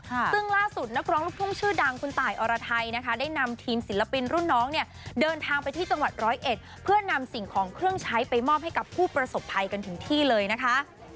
ซึ่งล่าสุดนักร้องลูกทุ่งชื่อดังคุณตายอรไทยนะคะได้นำทีมศิลปินรุ่นน้องเนี่ยเดินทางไปที่จังหวัดร้อยเอ็ดเพื่อนำสิ่งของเครื่องใช้ไปมอบให้กับผู้ประสบภัยกันถึงที่เลยนะคะ